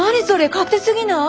勝手すぎない？